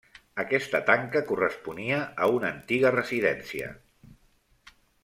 Aquesta tanca corresponia a una antiga residència.